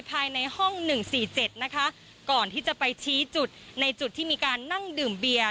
ภายในห้องหนึ่งสี่เจ็ดนะคะก่อนที่จะไปชี้จุดในจุดที่มีการนั่งดื่มเบียร์